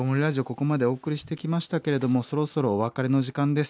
ここまでお送りしてきましたけれどもそろそろお別れの時間です。